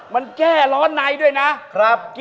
มันแก้ร้อนในด้วยนะครับครับ